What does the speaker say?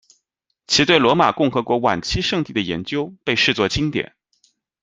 其对罗马共和国晚期圣地的研究被视作经典。